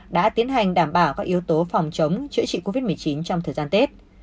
đã tiến hành đảm bảo các yếu tố phòng chống chữa covid một mươi chín trong thời gian tết